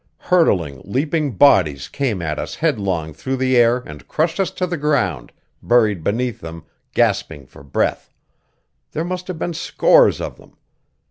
Hurtling, leaping bodies came at us headlong through the air and crushed us to the ground, buried beneath them, gasping for breath; there must have been scores of them.